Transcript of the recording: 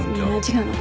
違うの。